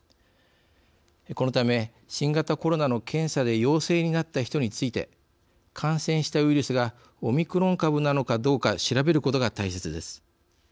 このため、新型コロナの検査で陽性になった人について感染したウイルスがオミクロン株なのかどうか調べることが大切です。